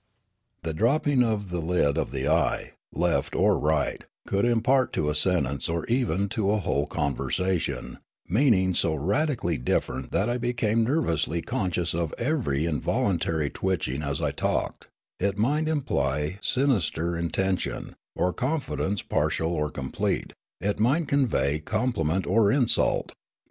The dropping of the lid of the eye, left or right, could impart to a sentence, or even to a whole con versation, meanings so radically different that I became nervously conscious of every involuntary twitching as I talked ; it might imply sinister intention, or con fidence partial or complete ; it might convey compli ment or insult.